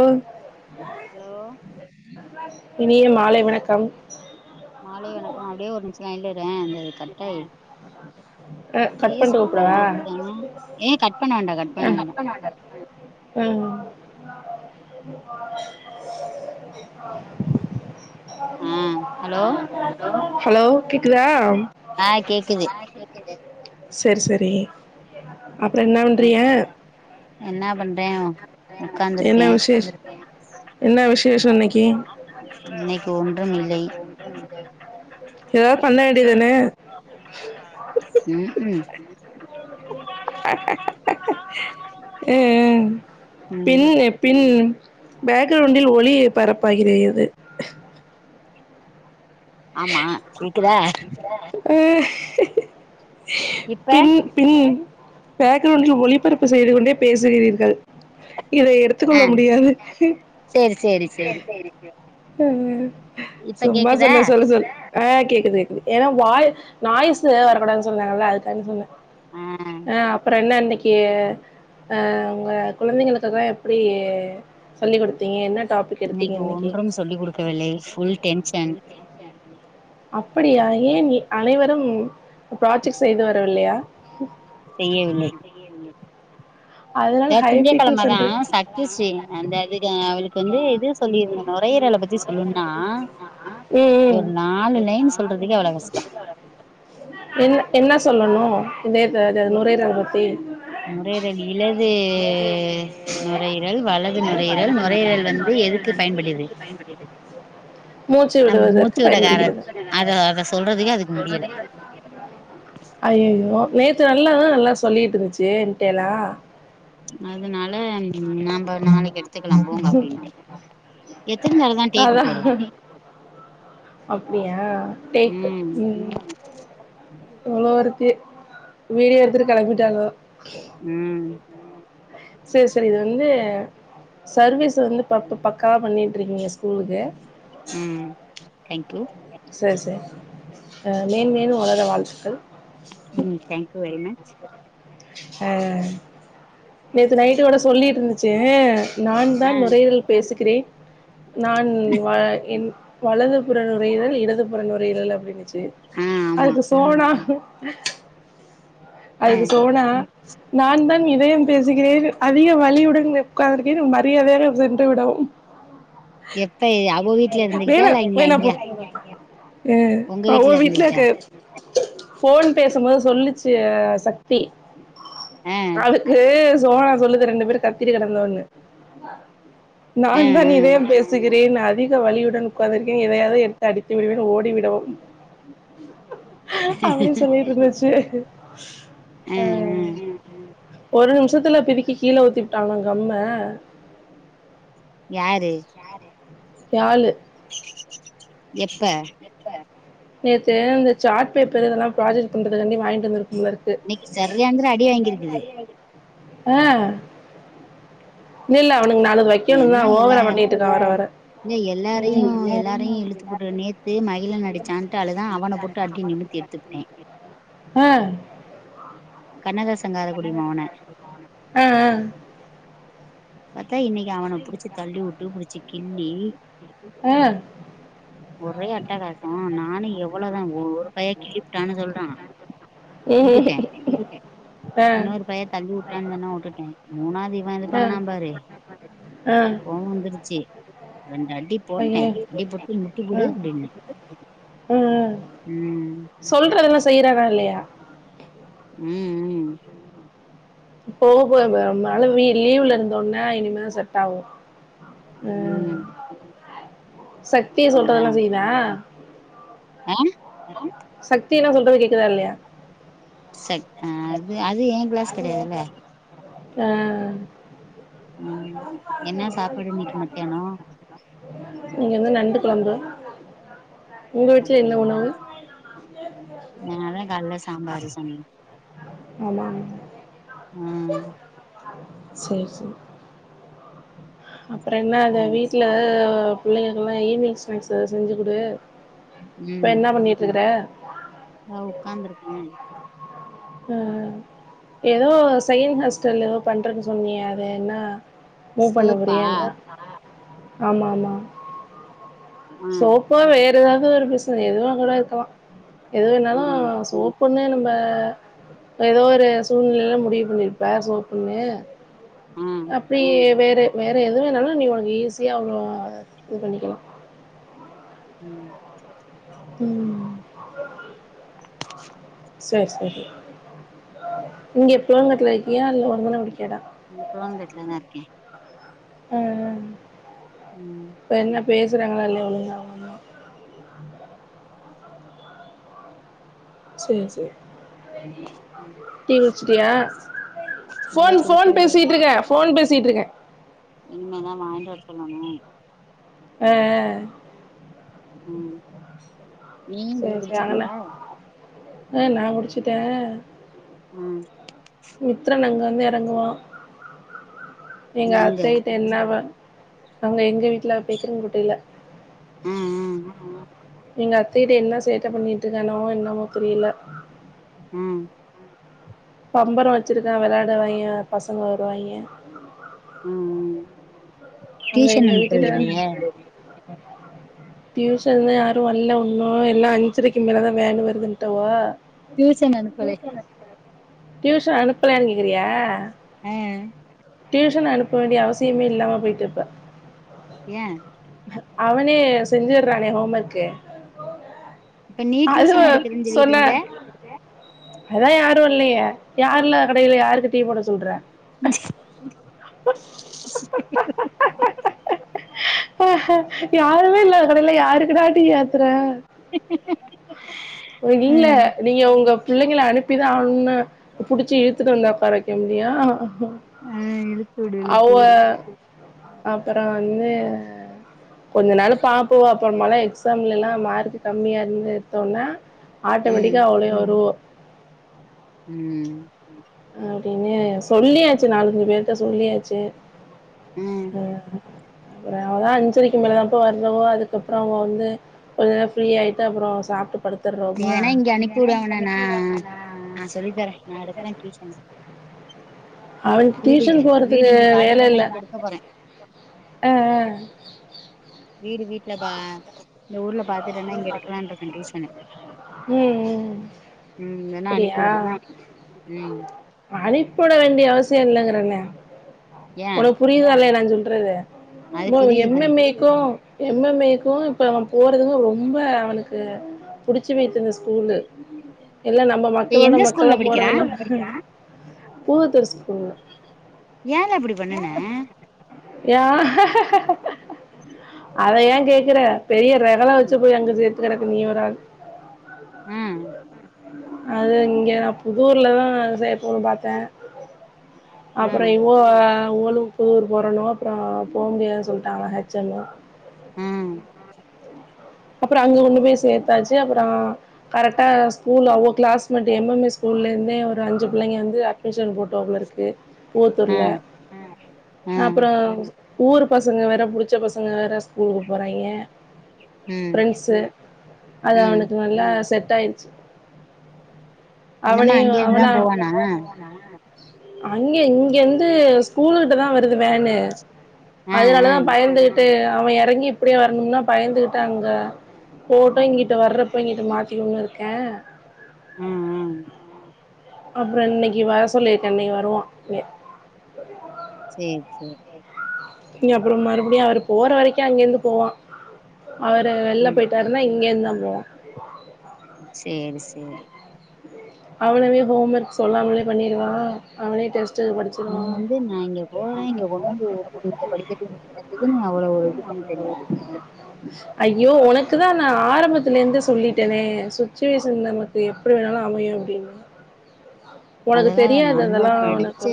உ ஹலோ இனிய மாலை வணக்கம் மாலை வணக்கம் அப்டியே ஒரு நிமிஷோ லைன்ல இரே இந்த அ கட் பண்ட்டு பேஸ்புக்ல கூப்டவா எது இருக்கே ஏ கட் பண்ண வேண்டா கட் பண்ண வேண்டா அ ம் [unintelligible] ஆ ஹலோ ஹலோ கேக்குதா ஆ கேக்குது சரி சரி அப்புறோ என்ன பண்றீய என்- என்ன பண்றே என்ன உக்காந்துருக்கே விசேஷ என்ன விசேஷோ இன்னைக்கு இன்னைக்கு ஒன்றும் இல்லை ஏதாது பண்ண வேண்டிதான ம் ம் அ பின் ம் பின் பேக்கிரவுண்டில் ஒளி பரப்பாகிறறது ஆமா ஆமா கேக்குதா அ இப்ப பின் பின் பேக்கிரவுண்டில் ஒளிபரப்பு செய்து கொண்டே பேசுகிறீர்கள் இதை எடுத் எத்து கொள்ள ஆ முடியாது சி சேரி சேரி சேரி அ அ இப்ப சும்மா கேக்குதா சொன்னே சொல் ஆ கேக்குது கேக்குது ஏனா வாய்ஸ் நாய்ஸ்சு வரக்கூடாது சொன்னாங்கல்ல அதுக்காண்டி சொன்னே ஆ அ அப்றோ என்ன இன்னைக்கி கியே அ அ உங்க கொழந்தைங்களுக்குகாக எப்டி சொல்லி குடுத்தீங்க என்ன டாபிக் எடுத்தீங்க இன்னைக்கி கவலை ஃபுல் டென்ஷன் அப்டியா ஏன் இ அனைவரும் ப்ராஜெக்ட் செய்து வரவில்லையா செய்யவில்லை அதனால த திங்க ஹைபிக்கிள் கெழம தா சென்டர் சக்திஶ்ரீ அந்த இதுக்கு அவளுக்கு வந்து இது சொல்லிருந்தே நொரயீரல பத்தி சொல்லுன்னா ம் ஒரு நாலு லைன் சொல்றதுக்கே ம் அவ்ளோ கஷ்டோ என்ன என்ன சொல்லணு இதயத்த இத நொரயீரல பத்தி நுரையீரல் இலது இடது வலது நுரையீரல் நுரையீரல் வலது நுரையீரல் வந்து நுரையீரல் அது எதுக்கு பயன்படுது எதற்கு பயன்படுகிறது மூச்சு நம்ம விடுவதற்கு மூச்சு விட கார பயன்படுகிறது அத அத சொல்றதுக்கே அதுக்கு முடியல ஐ ஐ யோ நேத்து நல்லாதா நல்லா சொல்லிட்டு இருந்துச்சு என்டேலா அதனால எனக்கு இன்னிக்கி நாம் பா நாளைக்கி எடுத்துக்கலா போங்க அப்டின்ட்டே எத்தன நாள் தா டேக்கு போறது அப்டியா டேக் ம் இவ்ளோ ருக்கு வீடியோ எடுத்துட்டு கெளம்பிட்டாங்கோ ம் செரி செரி இது வந்து சர்வீஸ் வந்து ப பக்காவா பண்ணிட்டு இருக்கீங்க ஸ்கூலுக்கு ம் தேங்க்யூ செரி சே அ மேன் மேலு வளர வாழ்த்துக்கள் ம் தேங்க்யூ வெரி மச் ஹ நேத்து நைட்டு கூட சொல்லிட்டு இருந்துச்சு நான் ஆ தான் நொரையீரல் பேசுகிறேன் நான் என் வலது புற நுரையீரல் இடது புற நுரையீரல் அப்டின்னுச்சு ஆ து ஆமா அதுக்கு சோனா ஆ அதுக்கு சோனா நான் தான் இதயம் பேசுகிறேன் அதிக வலியுடன் உட்காந் திருக்கேன் மரியாதையாக சென்றுவிடவும் எப்ப அவ வீட்ல இருந்துகிட்டா வேணா இல்ல இங்க இங்க வேணாப்போ ஹ உங்க அவ வீட்ல இருந்துகிட்டா இருக்கு ஃபோன் பேசும்போது சொல்லுச்சு சக் தி ஆ ஆளு இ சோனா சொல்லுது ரெண்டு பேர் கத்தி கேடந்தொன்னு நா ஆ ஆ தான் இதயம் பேஸ் சுகிறேன் அதிக வலியுடன் உக்காந்துருகேன் எதையாது எடுத்து அடித்து விடுவேன் ஓடிவிடவும் அப்டி சொல்லிட்டு இருந்துச்சு ஆ ஆ அ ஒரு நிமிஷத்தில பிதிக்கி கீழ ஊத்திவிட்டாங்கா கம்ம யாரு யா ளு எப்ப நேத்து இந்த சாட் பேப்பர் இதெல்லா ப்ராஜெக்ட் பண்றது காண்டி வாங்கிட்டு வந்திருக்கு போல ரு இன்னைக்கி சரியாங்குர அடி வாங்கிருக்குது ஆ இல்லல்ல அவனுக்கு நாலுது வைக் வைக்கணு என்ன தா எல்லா ஓவரா பண்ணிட்டு இருக்கா வர வர த்து புட்டு நேத்து மகிழன் அடிச்சான்ட்டு அழுதா அவன போட்டு அடி நிமித்தி எடுத்துப்புட்டே அ கண்ணதாசன் காரக்குடி மவன அ அ பாத்தா இன்னைக்கு அவன புடிச்சு தள்ளி உட்டு புடிச்சு கிள்ளி அ ஒரே அட்டகா சோ நானு எவ்ளோ தா ஒ ஒரு பைய கிள்ளிபுட்டானு சொல்றா வுட்டுட்டே ம், இன்னொரு பைய தள்ளி வுட்டான் சொன்னா வுட்டுட்டே மூணாவது இவ இது ஆ பண்ணா பாரு ஆ ஆ கோவோ வந்துருச்சி ரெண்டு அடி போட்ட ஐயோ அடி போட்டு முட்டி போடு ம் அப்டின்ன ம் ம் ம் சொல்றதெல்லா செய்றானா இல்லையா ம் ம் போக போக அ மழ வி லீவ்ல இருந்தோன்ன இனிமே தா செட் ஆகு ம் சக்திய அதா சொல்றதெல்லா செய்தா ஆ சக்தி என்ன சொல்றது கேக்குதா இல்லியா சக் அ அது அது ஏங் க்ளாஸ் கெடையாதுல்ல ஆ ஆ ம் [inaudible] என்ன சாப்பாடு இன்னைக்கு மத்தியானோ இன்னைக்கு வந்து நண்டு குழம்பு உங்க வீட்ல என்ன அப்டியா உணவு நா அதா கால்ல சாம்பாரு சொன்னே ஆமாமா அ சேர் சேர் அப்றோ என்ன அத சேரி வீட்ல சேரி அ பிள்ளைங்ளுக்கெல்லா ஈவி்னிங் ஸ்நாக்ஸ் எதா செஞ்சு குடு இப்ப என்ன பண்ணிட்டு இருக்ற நா உக்காந்ரு ம் ம் ஏதோ சயின் ஹஸ்டல் ஏதோ பண்றன் சொன்னியே அது என்னா மூ பண்ண சோப்பா போறியா என்ன ஆமா ஆமா ஆ சோப்பா வேறு ஏதாது ஒரு பிசன எதுவா கூட இருக்கலா எதுவேணாலு ம் சோப் புனு நம்ப ஏதோ ஒரு சூழ்நிலல முடிவு பண்ணிருப்ப சோப்புன்னு ஆ அப்டியே வேறு வேறு எது வேணாலு நீ உனக்கு ஈஸியா அவ்ளோ இது பண்ணிக்லா ம் ம் செர் செரி நீங்க புளங்கட்ல இருக்கியா இல்ல ஒரு தனகுடிகேடா இங்க புளங்கட்ல தா இருக்க அ அ ம் இப்ப என்ன பேசுறாங்ளா இல்லயா ஒழுங்கா அம்மா சொல்லுச்சு டீ குடிச்ட்டியா இல்ல போன் குடிக்கவில்லை பேசிட்டு இருக்க இனிம தா வாங்ட் வர சொல்லணு அ அ ம் நீ நீ சேரி சேரி அங்கன குடிச்சிட்டியா அ நா முடுச்சுட்டே ம் மித்ரன் அங்க வந்து எறங்குவா எங்க அத்தைட்ட என்னவா அவுங்க எங்க வீட்ல பேக்றிங் கொட்ட இல்ல ஆ ஆ எங்க அத்தைட்ட என்ன சேட்ட பண்ணிட்டு இருக்கானோ என்னமோ தெரில ம் பம்பரோ வச்சிருக்கா வெளயாடவாங்கெ பசங்க வருவாங்கே ம் ம் அங்க எங்க வீட்டுட்ட டியூஷன் தா யாரு வல்ல உன்னு எல்லா அஞ்சரைக்கு மேல தா வேனு வருதுன்டாவோ டியூஷன் அனுப்பல டியூசன் அனுப்பலயான் கேக்றியா அ டியூஷன் அனுப்ப வேண்டிய அவசியமே இல்லாம போயிட்டு இருப்ப ஏ அவனே செஞ்சுறானே ஹோம் ஒர்க்கு இப்ப நீ அதுவ டியூஷன் எடுக்குறேன்னு சொல்லிட்டு சொன்ன இருந்த அதா யாரு இல்லயே யாரு இல்லாத கடைல யாருக்கு டீ போட சொல்ற ம் யாருமே இல்லாத கடைல யாருக்குடா டீ ஆத்துர இது இல்ல ம் நீங்க உங்க பிள்ளைங்கள அனுப்பிதா அவணுனு புடுச்சி இழுத்துட்டு வந்தா உக்கார வெக்க முடியு ஆ இழுத்து விடு அவ இழுத்து விடு அப்பறொ வந்து கொஞ்சொ நாள் பாப்போ அப்பறொமாலா எக்ஸாம்லலா மார்க் கம்மியா இருந்து எடுத்தோனா ம் ஆட்டோமெட்டிக்கா அவளே வருவா ம் அப்டின்னு சொல்லியாச்சு நாலஞ்சு பேர்ட்ட சொல்லியாச்சு ம் அப்பறொ அவதா அஞ்சரக்கி மேலதான்ப்பா வர்றவோ அதுக்கப்றொ அவுங்க வந்து கொஞ்ச நேரொ ஃப்ரீ ஆயிட்டு அப்பறொ சாப்ட்டு நீ படுத்துறோமா வேணா இங்க அனுப்பி விடு அவன நா நா சொல்லி தரேன் நா எடுக்குறே டியூஷன்ஸ் அவனுக்கு டியூஷன் வீடு போறதுக்கு இங்க வேல பாத்துட்டேன்னா இல்ல இங்க எடுக்க போறேன் அ அ வீடு வீட்ல பா இந்த ஊர்ல பாத்துட்டேனா இங்க எடுக்கலான் இருக்கே டியூஷனு ம் ம். ம் வேனா அனுப்பி வுடு அனுப்பி வுட வேண்டிய அவசியொ இல்லெங்கறானேன ஏ உனக் புரியுதா இல்லையா நா சொல்றது அது மோ புரியுது எம் எம் ஏ புரியுது க்கு எம் எம் ஏ க்கு இப்ப போறது ரொம்ப அவனுக்கு புடுச்சு போயிச்சு அந்த ஸ்கூலு எல்லா நம்ம இப்ப மக்களோட எந்த ஸ்கூல்ல மக்களா படிக்கிறா போறது பூ தெரி ஸ்கூல்ல ஏல அப்டி பண்ணுன ஏ அத ஏ கேக்குற பெரிய ரகல ம் வச்சு போய் அங்க சேத்து கெடக்கு நீ ஒரு ஆளு ம் அது இங்க நா புதூர்லதா சேப்போன் பாத்தே அப்பறொ ம் இவோ இவ்களு ஊர் போரணு அப்புறோ போ முடியாதுன் சொல்ட்டாங்க ஹெச் எம்லா ம் அப்புறோ அங்க கொண்டு போய் சேத்தாச்சு அப்புறோ கரெக்ட்டா ஸ்கூல்லாவோ கிளாஸ்மேட் எம் எம் ஏ ஸ்கூல்ல இருந்தே ஒரு அஞ்சு பிள்ளைங்க வந்து அட்மிஷன் போட்டு வந்திருக்கு பூத்தூர்ல ம் அப்புறோ ஊரு பசங்க வேற புடிச் ச்ச பசங்க வேற ஸ்கூலுக்கு போறாய்ங்க ம் ஃப்ரெண்ட்ஸு அது ம் அவனுக்கு நல்லா செட் ஆயிடுச்சு ஏ ந அவனே அவனா அங்கே இங்கேந்து ஸ்கூலு கிட்ட தா வருது வேனு ஆ ஆ அதனாலதா பயந்து ட்டு அவன் எறங்கி இப்படே வரணும்னா பயந்துகிட்டு அங்க போட்டு இங்கிட்ட வர்றப்ப இங்கிட்டு மாத்திக்குனு இருக்க ம் ம் அப்புறோ இன்னைக்கு வர சொல்லி இருக்க இன்னைக்கு வருவா சேரி சேரி இனி அப்புறோ மறுபடியு அவர் போற வரைக்கு அங்க இருந்து போவா அவரு வெள்ல ம் போயிட் டாருனா இங்க இருந்தா போவா சேரி சேரி அவனாவே ஹோம் ஒர்க் சொல்லாமலே பண்ணிடுவா அவனே டெஸ் ட்டுக்கு நீ படிச்சிருவா வந்து நா இங்க போறே இங்க கொண்டு வந்து வுடு இங்க படிக்கட்டுன்னதுக்கு ஓ ஓ உம் ஐயோ உனக்குதா நா ஆரம்பத்துல இருந்தே சொல்லிட்டேனே சுச்சுவேஷன் நமக்கு எப்டி வேணாலு அமையு [inaudible] ஒனக்கு அதனால தெரியாது நம்ம அதல்லா ஒனக்கு படிச்ச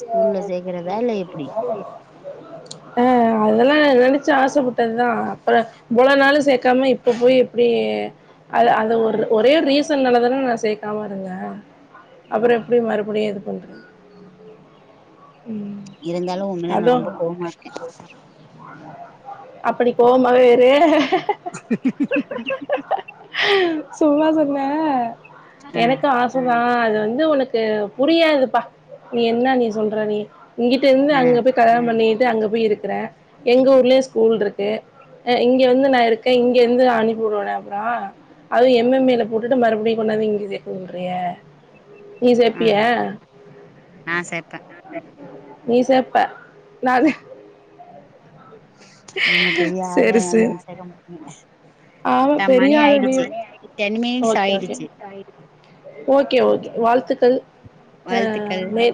ஸ்கூல்ல சேக்கறதா இல்ல எப்டி அ அதெல்லா நா நெனைச்சு ஆசப்பட்டதுதா அப்பறோ இவ்ளோ நாளு சேக்காம இப்ப போய் எப்படிய அல அது ஒரு ஒரே ரீசன்னாலதான நா‌ சேக் காம இருந்த அப்புறோ எப்படி மறுபடியு இது பண்றதே ம் இருந்தாலு உன் மேல நா ரொம்ப கோவமா இருக்கே அப்ப நீ கோவமாவே இரு சும்மா சொன்ன ஆ எனக்கு ஆச தா அது வந்து உனக்கு புரியாதுப்பா நீ என்ன நீ சொல்ற நீ இங்கிட்டு இருந்து ஆ அங்க போய் கல்யாணம் பண்ணிட்டு அங்க போய் இருக்கற எங்க ஊர்லேயு ஸ்கூல்ருக்கு அ இங்க வந்து நா இருக்க இங்க வந்து நா அனுப்பி உடுவனா அப்புறோ அது எம் எம் ஏல போட்டுட்டு மறுபடியு கொண்டாந்து இங்க சே சொல்றியா நீ ஆ சேப்பியா நா சேப்பே நீ சேப்ப நா சே ஆஹ் நீங்க பெரிய ஆளு அதனால நீங்க சேக்க மாட்டீங்க ஆமா பத்தா பெரிய மணி ஆளுடி ஆயிடுச்சு டென் மினிட்ஸ் ஓகே ஓகே ஆயிடுச்சு ஓகே ஓகே வாழ்த்துக்கள் அ வாழ்த்துக்கள் மே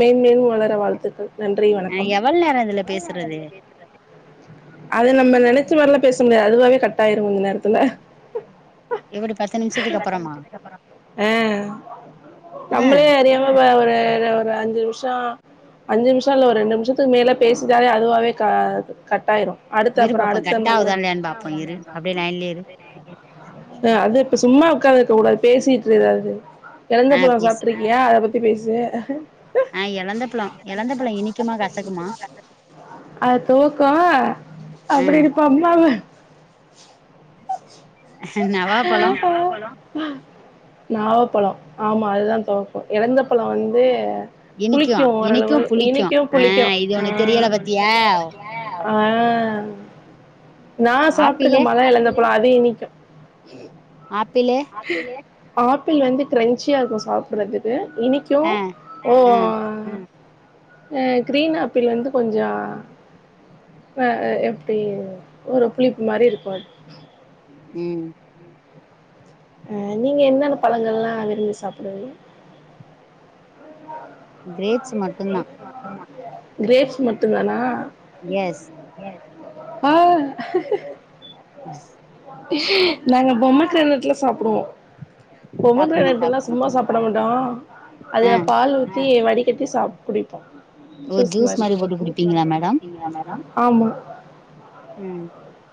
மென்மேலும் வளர வாழ்த்துக்கள் நன்றி ஆ வணக்கம் எவ்வளவு நேரம் இதுல பேசுறது அது நம்ம நெனச்ச மாதிரிலாம் பேச முடியாது அதுவாவே கட் ஆயிரும் கொஞ்சோ நேரத்துல எப்டி பத்து நிமிஷத்துக்கு அப்புறமா ஆ ஆ நம்மளே அறியாம அ ஒரு ஒரு அஞ்சு நிமிஷம் அஞ்சு நிமிஷம் இல்ல ஒரு ரெண்டு நிமிஷத்துக்கு மேல பேசிட்டாலே அதுவாவே கட் ஆயிரும் அடுத்த இரு அப்ரோ பாப்போ அடுத்த கட் நம்ம ஆவுதா இல்லையான்னு பாப்போ இரு அப்டியே லைன்லயே இரு அது இப்ப சும்மா உட்காந்துருக்க கூடாது பேசிட்டு இரு ஏதாவது எழந்த ஆ பழம் பேசு சாப்பிட்டுருக்க ஏன் அத பத்தி பேசு ஆ எலந்தப்பழோ எலந்தப்பழோ இனிக்குமா கசக்குமா அதும் இருக்கும் ஆ அப்டி இருப்போ அம்மாவ நவாப்பழோ ஹ நாவப்பழம் ஆமா அதுதா துவக்கும் எழந்த பழம் வந்து இனிக்கு புளிக்கும் இனிக்கு ஓரளவு புளிக்கு இனிக்கும் ஆ புளிக்கும் இது ஆ உனக்கு தெரியல பாத்தியா ஆ நான் ஆப்பிளு சாப்பிட்டுருக்கேன் மழ எழந்த பழம் அதும் இனிக்கும் ம் ஆப்பிளு ஆப்பிள் வந்து கிரஞ்சியா இருக்கும் சாப்பிடறதுக்கு இனிக்கும் ஆ ஓ ஆ கிரீன் ஆப்பிள் வந்து கொஞ்சோ எப்படி ஒரு புளிப்பு மாதிரி இருக்கும் அது ம் ஆ நீங்க என்னென்ன பழங்கள்லாம் விரும்பி சாப்பிடுவீங்க கிரேப்ஸ் மட்டும் தான் கிரேப்ஸ் மட்டும் தான எஸ் ஹ ம் நாங்க பொமி கிராண்ணட் சாப்பிடுவோம் பொமி சாப்டுங்க கிராண்ணட் எல்லா சாப்டுங்க சும்மா சாப்டுவோம் சப்பிட மாட்டோ ஆ அதுல பால் ஊத்தி வடி கட்டி சாப்ப குடிப்போம் ஓ ஜூஸ் மாரி போட்டு குடிப்பீங்களா மேடம் ஆமா ம்